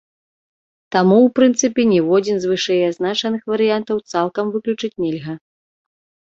Таму ў прынцыпе ніводзін з вышэй азначаных варыянтаў цалкам выключыць нельга.